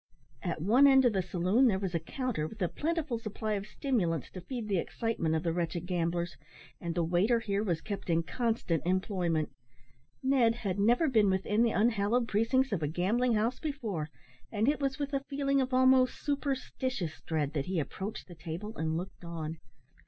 At one end of the saloon there was a counter, with a plentiful supply of stimulants to feed the excitement of the wretched gamblers; and the waiter here was kept in constant employment. Ned had never been within the unhallowed precincts of a gambling house before, and it was with a feeling of almost superstitious dread that he approached the table, and looked on.